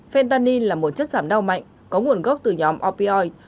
fentanyl là một chất giảm đau mạnh có nguồn gốc từ nhóm opioid